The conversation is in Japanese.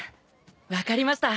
分かりました。